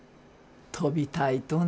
飛びたいとね。